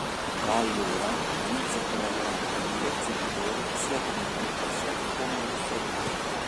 Da allora inizia a collaborare con diversi editori sia come fumettista che come illustratore.